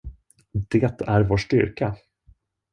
Det är vår styrka.